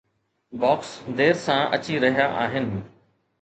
Box دير سان اچي رهيا آهن.